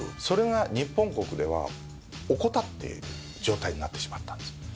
それが日本国では怠っている状態になってしまったんです。